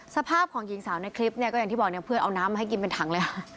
สภาพของหญิงสาวในคลิปเนี่ยก็อย่างที่บอกเนี่ยเพื่อนเอาน้ำมาให้กินเป็นถังเลย